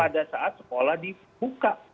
pada saat sekolah dibuka